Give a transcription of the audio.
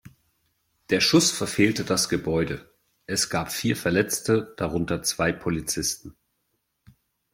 Der Schuss verfehlte das Gebäude, es gab vier Verletzte, darunter zwei Polizisten.